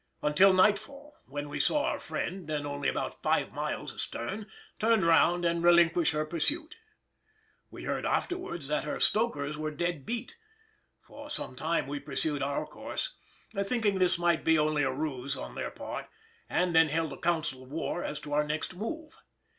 —until nightfall, when we saw our friend, then only about five miles astern, turn round and relinquish her pursuit. We heard afterwards that her stokers were dead beat. For some time we pursued our course, thinking this might be only a ruse on their part, and then held a council of war as to our next move.